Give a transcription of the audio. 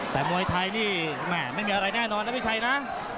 แต่มวยไทยนี่แม่ไม่มีอะไรแน่นอนนะพี่ชัยนะ